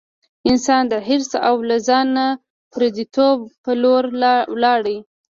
انسان د حرص او له ځانه پردیتوب په لور لاړ.